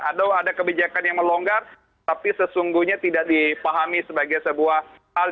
atau ada kebijakan yang melonggar tapi sesungguhnya tidak dipahami sebagai sebuah hal